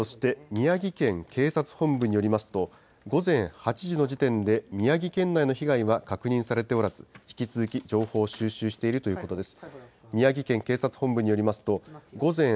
宮城県警察本部によりますと、午前８時の時点で宮城県内の被害は確認されておらず、引き続き情報を収集しているということです。